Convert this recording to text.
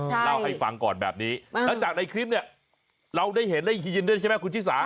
เล่าให้ฟังก่อนแบบนี้แล้วจากในคลิปเนี่ยเราได้เห็นได้ยินด้วยใช่ไหมคุณชิสา